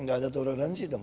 enggak ada toleransi dong